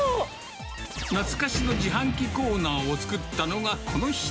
懐かしの自販機コーナーを作ったのがこの人。